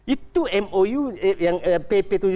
itu mou yang pp tujuh puluh